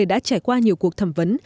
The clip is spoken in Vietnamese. đã trải qua nhiều cuộc thẩm vấn